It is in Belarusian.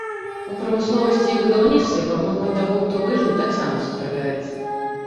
У прамысловасці і будаўніцтве памылка таго, хто выжыў, таксама сустракаецца.